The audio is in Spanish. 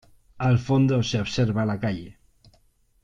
Al fondo se observa la calle.